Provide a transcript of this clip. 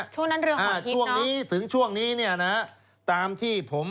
ช่วงนั้นเรือหาช่วงนี้ถึงช่วงนี้เนี่ยนะตามที่ผม